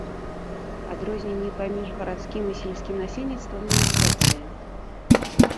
Адрозненні паміж гарадскім і сельскім насельніцтвам не істотныя.